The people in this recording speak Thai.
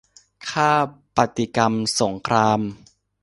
ค่าปฏิกรรมสงคราม